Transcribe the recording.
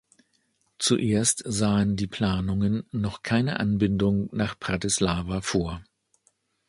Zuerst sahen die Planungen noch keine Anbindung nach Bratislava vor.